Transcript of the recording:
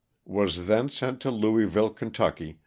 Was then sent to Louisville, Ky.